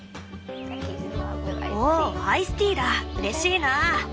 「おおアイスティーだうれしいな」。